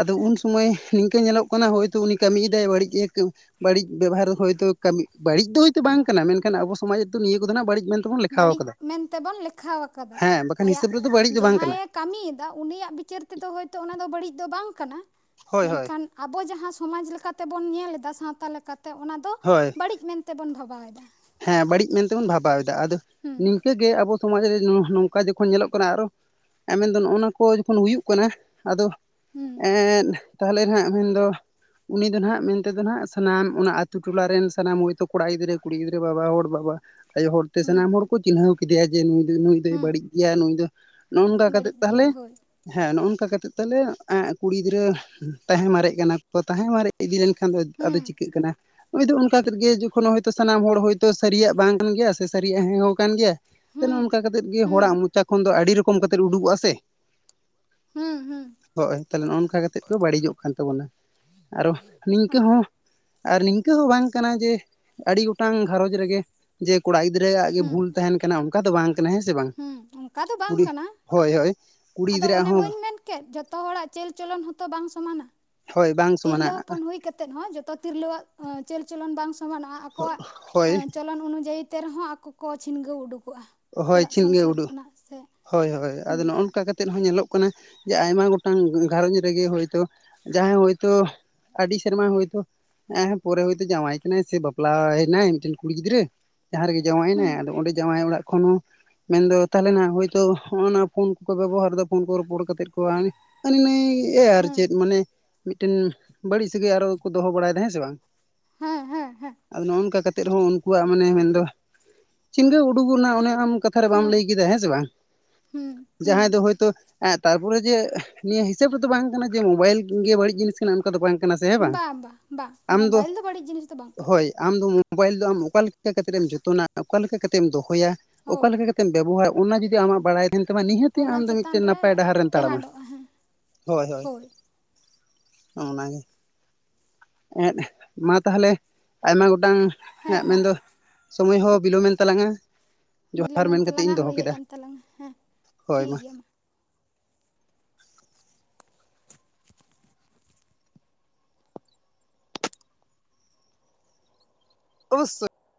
ᱟᱫᱚ ᱩᱱ ᱦᱮᱸ ᱥᱚᱢᱚᱭ ᱱᱚᱝᱠᱟᱹ ᱧᱮᱞᱚᱜ ᱠᱟᱱᱟ ᱦᱚᱭᱛᱚ ᱩᱱᱤ ᱠᱟᱹᱢᱤᱭ ᱮᱫᱟᱭ ᱵᱟᱹᱲᱤᱡ ᱮ ᱵᱟᱹᱲᱤᱡ ᱵᱮᱵᱟᱨ ᱦᱚᱭᱛᱚ ᱠᱟᱹᱢᱤ ᱵᱟᱹᱲᱤᱡ ᱫᱚ ᱦᱚᱭᱛᱚ ᱵᱟᱝ ᱠᱟᱱᱟ, ᱢᱮᱱᱠᱷᱟᱱ ᱟᱵᱚ ᱥᱚᱢᱟᱡᱽ ᱨᱮᱫᱚ ᱱᱤᱭᱟᱹ ᱠᱚᱫᱚ ᱱᱟᱦᱟᱜ ᱵᱟᱹᱲᱤᱡ ᱢᱮᱱᱛᱮ ᱵᱟᱹᱲᱤᱡ ᱢᱮᱱᱛᱮ ᱵᱚᱱ ᱞᱮᱠᱷᱟ ᱟᱠᱟᱫᱟ ᱦᱮᱸ ᱵᱟᱠᱷᱟᱱ ᱟᱭᱟᱜ ᱦᱤᱥᱟᱹᱵ ᱨᱮᱫᱚ ᱵᱟᱹᱲᱤᱡ ᱫᱚ ᱵᱟᱝ ᱡᱟᱦᱟᱸ‌ᱭ ᱠᱟᱱᱟ ᱮ ᱠᱟᱹᱢᱤᱭ ᱮᱫᱟ ᱩᱱᱤᱭᱟᱜ ᱵᱤᱪᱟᱹᱨ ᱛᱮᱫᱚ ᱦᱚᱭᱛᱚ ᱚᱱᱟ ᱫᱚ ᱵᱟᱹᱲᱤᱡ ᱫᱚ ᱵᱟᱝ ᱠᱟᱱᱟ, ᱦᱳᱭ ᱦᱳᱭ ᱢᱮᱱᱠᱷᱟᱱ ᱟᱵᱚ ᱡᱟᱦᱟᱸ ᱥᱚᱢᱟᱡᱽ ᱞᱮᱠᱟ ᱛᱮᱵᱚᱱ ᱧᱮᱞ ᱮᱫᱟ ᱥᱟᱶᱛᱟ ᱞᱮᱠᱟᱛᱮ ᱚᱱᱟ ᱫᱚ ᱦᱳᱣ ᱵᱟᱹᱲᱤᱡ ᱢᱮᱱᱛᱮᱵᱚᱱ ᱵᱷᱟᱵᱟᱣᱮᱫᱟ᱾ ᱦᱮᱸ ᱵᱟᱹᱲᱤᱡ ᱢᱮᱱᱛᱮᱵᱚᱱ ᱵᱷᱟᱵᱟᱣᱮᱫᱟ ᱟᱫᱚ ᱦᱩᱸ ᱱᱤᱝᱠᱟᱹ ᱜᱮ ᱟᱵᱚ ᱥᱚᱢᱟᱡᱽ ᱨᱮ ᱱᱚᱝᱠᱟ ᱡᱚᱠᱷᱚᱱ ᱧᱮᱞᱚᱜ ᱠᱟᱱᱟ ᱟᱨᱦᱚᱸ ᱮ ᱢᱮᱱ ᱫᱚ ᱱᱚᱜᱼᱚ ᱱᱚᱣᱟ ᱠᱚ ᱡᱚᱠᱷᱚᱱ ᱦᱩᱭᱩᱜ ᱠᱟᱱᱟ ᱟᱫᱚ ᱦᱩᱸ ᱮᱸᱻ ᱮᱫ ᱛᱟᱦᱚᱞᱮ ᱦᱟᱸᱜ ᱢᱮᱱᱫᱚ ᱩᱱᱤ ᱫᱚ ᱦᱟᱜ ᱢᱮᱱᱛ ᱫᱚᱚ ᱦᱟᱜ ᱥᱟᱱᱟᱢ ᱚᱱᱟ ᱟᱹᱛᱩ ᱴᱚᱞᱟ ᱨᱮᱱ ᱥᱟᱱᱟᱢ ᱦᱚᱭᱛᱳ ᱠᱚᱲᱟ ᱜᱤᱫᱽᱨᱟᱹ ᱠᱩᱲᱤ ᱜᱤᱫᱽᱨᱟᱹ ᱵᱟᱵᱟ ᱦᱚᱲ ᱵᱟᱵᱟ ᱟᱭᱳ ᱦᱚᱲᱛᱮ ᱦᱩᱸ ᱥᱟᱱᱟᱢ ᱦᱚᱲ ᱠᱚ ᱪᱤᱱᱦᱟᱹᱣ ᱠᱮᱫᱮᱭᱟ ᱡᱮ ᱱᱩᱭ ᱫᱚ ᱱᱩᱭ ᱫᱚᱭ ᱦᱩᱸ ᱵᱟᱹᱲᱤᱡ ᱜᱮᱭᱟ ᱱᱩᱭ ᱫᱚ ᱱᱚᱜ-ᱚᱝᱠᱟ ᱠᱟ ᱠᱟᱛᱮᱫ ᱵᱟᱹᱲᱤᱡ ᱜᱮᱭᱟ ᱛᱟᱦᱚᱞᱮ ᱦᱳᱭ ᱦᱮᱸ ᱱᱚᱜ-ᱚᱝᱠᱟ ᱠᱟᱛᱮᱫ ᱛᱟᱦᱚᱞᱮ ᱮ ᱠᱩᱲᱤ ᱜᱤᱫᱽᱨᱟᱹ ᱛᱟᱦᱮᱸ ᱢᱟᱨᱮᱜ ᱠᱟᱱᱟ ᱠᱚ ᱛᱟᱦᱮᱸ ᱢᱟᱨᱮ ᱤᱫᱤ ᱞᱮᱱᱠᱷᱟᱱ ᱫᱚ ᱟᱫᱚ ᱦᱩᱸ ᱪᱤᱠᱟᱹᱜ ᱠᱟᱱᱟ ᱦᱚᱭ ᱫᱚ ᱚᱱᱠᱟ ᱠᱟᱛᱮᱫ ᱜᱮ ᱡᱚᱠᱷᱚᱱ ᱦᱚᱭᱛᱳ ᱥᱟᱱᱟᱢ ᱦᱚᱲ ᱦᱚᱭᱛᱳ ᱥᱟᱹᱨᱤᱭᱟᱜ ᱵᱟᱝ ᱠᱟᱱ ᱜᱮᱭᱟ ᱥᱮ ᱥᱟᱹᱨᱤᱭᱟᱜ ᱦᱮᱸ ᱦᱚᱸᱭ ᱠᱟᱱ ᱜᱮᱭᱟ ᱛᱤ ᱦᱩᱸ ᱱᱚᱝᱠᱟ ᱠᱟᱛᱮᱫ ᱜᱮ ᱦᱩᱸ ᱦᱚᱲᱟᱜ ᱢᱩᱪᱟ ᱠᱷᱚᱱ ᱫᱚ ᱟᱹᱰᱤ ᱨᱚᱠᱚᱢ ᱠᱟᱛᱮᱫ ᱠᱟᱛᱮ ᱩᱰᱜᱚᱜᱽᱼᱟ ᱥᱮ ᱾ ᱦᱩᱸ ᱦᱩᱸ ᱦᱳᱭ ᱛᱟᱦᱞᱮ ᱱᱚᱝᱠᱟ ᱠᱟᱛᱮᱜ ᱠᱚ ᱵᱟᱹᱲᱤᱡᱚᱜ ᱠᱟᱱ ᱛᱟᱵᱚᱱᱟ ᱾ ᱟᱨᱚ ᱱᱤᱝᱠᱟᱹ ᱦᱳᱭ ᱦᱚᱸ ᱟᱨ ᱱᱤᱝᱠᱟᱹ ᱦᱚᱸ ᱵᱟᱝ ᱠᱟᱱᱟ ᱡᱮ ᱟᱹᱰᱤ ᱜᱚ ᱾ ᱢᱤᱫᱴᱟᱝ ᱜᱷᱟᱸᱨᱚᱡᱽ ᱨᱮ ᱜᱮ ᱡᱮ ᱠᱩᱲᱟ ᱜᱤᱫᱽᱨᱟᱹᱣᱟᱜ ᱜᱮ ᱦᱩᱸ ᱵᱷᱩᱞ ᱛᱟᱦᱮᱱ ᱠᱟᱱᱟ ᱚᱱᱠᱟ ᱫᱚ ᱵᱟᱝ ᱠᱟᱱᱟ ᱦᱮᱸ ᱥᱮ ᱵᱟᱝ ᱾ ᱦᱩᱸ ᱚᱱᱠᱟ ᱫᱚ ᱵᱟᱝ ᱠᱟᱱᱟ ᱠᱩᱲᱤ ᱟᱫᱚ ᱜᱤᱫᱽᱨᱟᱹᱣᱟᱜ ᱚᱱᱮ ᱦᱚᱸ ᱵᱟᱹᱧ ᱢᱮᱱ ᱠᱮᱼᱼ [unintelligible] ᱡᱚᱛᱚ ᱦᱚᱲᱟᱜ ᱪᱟᱹᱞ ᱪᱚᱞᱚᱱ ᱦᱚᱛᱚ ᱵᱟᱝ ᱥᱚᱢᱟᱱᱟ ᱦᱳᱭ ᱵᱟᱝ ᱥᱚᱢᱟᱱᱟ ᱛᱤᱨᱞᱟᱹ ᱦᱚᱯᱚᱱ ᱦᱳᱭ ᱠᱟᱛᱮ ᱦᱚᱸ ᱡᱚᱛᱚᱼᱼ ᱛᱤᱨᱞᱟᱹᱣᱟᱜ ᱪᱟᱹᱞ ᱪᱚᱞᱚᱱ ᱵᱟᱝ ᱥᱚᱢᱟᱱᱚᱜᱼᱟ ᱟᱠᱚᱣᱟᱜ ᱦᱳᱭ ᱪᱚᱞᱚᱱ ᱚᱱᱩᱡᱟᱭᱤ ᱛᱮ ᱨᱮ ᱦᱚᱸ [unintelligible] ᱞᱟᱹ ᱠᱚ ᱪᱷᱤᱱᱜᱟᱹᱣ ᱩᱰᱩᱜᱚᱜᱼᱟ ᱦᱳᱭ ᱚᱲᱟᱜ ᱪᱷᱤᱱ ᱜᱮ ᱥᱚᱝᱥᱟᱨ ᱩᱰᱩᱠ ᱠᱷᱚᱱᱟᱜ ᱥᱮ ᱦᱳᱭ ᱦᱳᱭ ᱟᱫᱚ ᱦᱩᱸ ᱱᱚᱜᱼᱚ ᱱᱚᱝᱠᱟ ᱠᱟᱛᱮᱼᱼ ᱛᱮᱫ ᱦᱚᱸ ᱧᱮᱞᱚᱜ ᱠᱟᱱᱟ ᱡᱮ ᱟᱭᱢᱟ ᱜᱚᱴᱟᱝ ᱜᱷᱟᱨᱚᱸᱧᱡᱽ ᱨᱮᱜᱮ ᱦᱚᱭᱛᱳ ᱡᱟᱦᱟᱭ ᱦᱳᱭᱛᱳ ᱟᱹᱰᱤ ᱥᱮᱨᱢᱟ ᱦᱚᱭᱛᱚᱼᱼ ᱦᱮᱸ ᱦᱮ ᱯᱚᱨᱮ ᱦᱚᱭᱛᱳ ᱡᱟᱶᱟᱭ ᱠᱟᱱᱟᱭ ᱥᱮ ᱵᱟᱯᱞᱟᱭᱼᱱᱟᱭ ᱢᱤᱫᱴᱮᱱ ᱠᱩᱲᱤ ᱜᱤᱫᱽᱨᱟᱹ ᱡᱟᱦᱟᱸ ᱨᱮᱜᱮ ᱡᱟᱶᱟᱭᱱᱟᱭ ᱦᱩᱸ ᱟᱫᱚ ᱚᱸᱰᱮ ᱡᱟᱶᱟᱭ ᱚᱲᱟᱜ ᱠᱷᱚᱱ ᱦᱚ ᱢᱮᱱᱫᱚ ᱛᱟᱦᱚᱞᱮ ᱱᱟᱭ ᱦᱳᱡᱽ ᱛᱚ ᱦᱚᱜᱱᱟ ᱯᱷᱳᱱ ᱠᱚ ᱵᱮᱵᱚᱦᱟᱨ ᱫᱟ ᱾ ᱯᱷᱳᱱ ᱠᱚ ᱨᱚᱯᱚᱲ ᱠᱟᱛᱮᱮᱫ ᱠᱚᱣᱟ ᱦᱟᱹᱱᱤ ᱱᱟᱹᱭ ᱟᱨ ᱦᱮᱸ ᱪᱮᱫ ᱢᱟᱱᱮ ᱢᱤᱫᱴᱮᱱ ᱵᱟᱹᱲᱤᱡ ᱥᱟᱹᱜᱟᱹᱭ ᱟᱨᱚ ᱠᱚ ᱫᱚ ᱦᱚ ᱵᱟᱲᱟᱭ ᱮᱫᱟ ᱦᱮᱸ ᱥᱮ ᱵᱟᱝ ᱾ ᱦᱮᱸ ᱦᱮᱸ᱾ ᱦᱮᱸ ᱟᱫᱚ ᱱᱚᱝᱠᱟ ᱠᱟᱛᱮᱜ ᱩᱱᱠᱩᱣᱟᱜ ᱢᱟᱱᱮ ᱢᱮᱱᱫᱚ ᱪᱤᱱᱜᱟᱹᱣ ᱩᱰᱩᱜᱟᱜ ᱚᱱᱮ ᱟᱢ ᱠᱟᱛᱷ ᱟ ᱨᱮ ᱵᱟᱢ ᱦᱮᱸ ᱞᱟᱹᱭ ᱠᱮᱫᱟ ᱦᱮᱸ ᱥᱮ ᱵᱟᱝ ᱾ ᱦᱩᱸ ᱦᱩᱸ ᱡᱟᱦᱟᱸᱭ ᱫᱚ ᱦᱳᱭᱛᱳ ᱛᱟᱨᱯᱚᱨᱮ ᱡᱮ ᱱᱤᱭᱟᱹ ᱦᱤᱥᱟᱹᱵ ᱨᱮᱫᱚ ᱵᱟᱝ ᱠᱟᱱᱟ ᱡᱮ ᱢᱳᱵᱟᱭᱤᱞ ᱜᱮ ᱵᱟᱹᱲᱤᱡ ᱡᱤᱱᱤᱥ ᱠᱟᱱᱟ ᱚᱱᱠᱟ ᱫᱚ ᱵᱟᱝ ᱠᱟᱱᱟ ᱥᱮ ᱦ ᱵᱟᱝ ᱵᱟᱝ ᱟᱢ ᱫᱚ ᱢᱳᱵᱟᱭᱤᱞ ᱵᱟᱹᱲᱤᱡ ᱡᱤᱱᱤᱥ ᱫᱚ ᱵᱟᱝ ᱠᱟᱱᱟ ᱦᱳᱭ ᱟᱢ ᱫᱚ ᱢᱳᱵᱟᱭᱤᱞ ᱫᱚ ᱟᱢ ᱚᱠᱟ ᱞᱮᱠᱟ ᱠᱟᱛᱮᱜ ᱮᱢ ᱡᱚᱛᱚᱱᱟ ᱚᱠᱟ ᱞᱮᱠᱟ ᱠᱟᱛᱮᱜ ᱮᱢ ᱫᱚᱦᱚᱭᱟ ᱚᱠᱟ ᱦᱳᱭ ᱞᱮᱠᱟ ᱠᱟᱛᱮ ᱾ ᱠᱟᱛᱮᱜ ᱵᱮᱵᱚᱦᱟᱨ ᱚᱱᱟ ᱡᱩᱫᱤ ᱟᱢᱟᱜ ᱵᱟᱲᱟᱭ ᱛᱟᱦᱮᱱ ᱛᱚᱵᱮ ᱱᱤᱦᱟᱹᱛᱤ ᱚᱱᱟ ᱟᱢ ᱫᱚ ᱪᱮᱛᱟᱱ ᱢᱤᱫᱴᱮᱱ ᱨᱮ ᱱᱟᱯᱟᱭ ᱰᱟᱦᱟᱨ ᱨᱮᱢ ᱛᱟᱲᱟᱢᱟ ᱴᱮᱦᱟᱸᱰᱚᱜᱼᱟ ᱦᱮᱸ ᱦᱳᱭ ᱦᱳᱭ ᱾ ᱚᱱᱟᱜᱮ ᱾ ᱮᱸᱜ ᱢᱟ ᱛᱟᱦᱚᱞᱮ ᱟᱭᱢᱟ ᱜᱚᱴᱟᱝ ᱦᱮᱸ ᱦᱮᱸᱜ ᱢᱟ ᱢᱮᱱ ᱫᱚ ᱾ ᱥᱩᱢᱟ. ᱭ ᱦᱚᱸ ᱵᱤᱞᱚᱢᱮᱱ ᱛᱟᱞᱟᱝᱼᱟ ᱡᱳᱦᱟᱨ ᱵᱤᱞᱚᱢᱮᱱ ᱢᱮᱱ ᱠᱟᱛᱮᱫ ᱛᱟᱞᱟᱝᱟ ᱤᱧ ᱫᱚᱦᱚ ᱦᱩᱭ ᱦᱮᱡ ᱠᱮᱫᱟ ᱮᱱ ᱛᱟᱞᱟᱝᱟ ᱦᱮᱸ ᱦᱳᱭ ᱴᱷᱤᱠ ᱢᱟ᱾ ᱜᱮᱭᱟ ᱚᱵᱚᱥᱥᱳᱭ ᱾